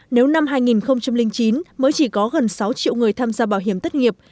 nếu năm hai nghìn chín mới chỉ có gần sáu triệu người tham gia bảo hiểm thất nghiệp